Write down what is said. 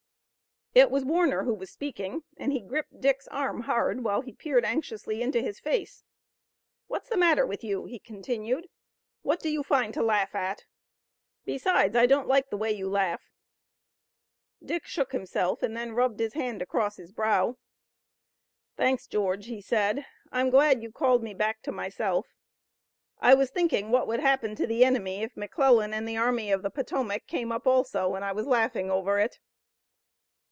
It was Warner who was speaking, and he gripped Dick's arm hard, while he peered anxiously into his face. "What's the matter with you?" he continued. "What do you find to laugh at? Besides, I don't like the way you laugh." Dick shook himself, and then rubbed his hand across his brow. "Thanks, George," he said. "I'm glad you called me back to myself. I was thinking what would happen to the enemy if McClellan and the Army of the Potomac came up also, and I was laughing over it."